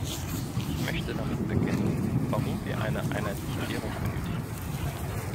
Ich möchte damit beginnen, warum wir eine einheitliche Währung benötigen.